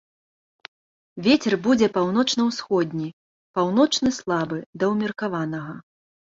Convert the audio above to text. Вецер будзе паўночна-ўсходні, паўночны слабы да ўмеркаванага.